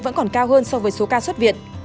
vẫn còn cao hơn so với số ca xuất viện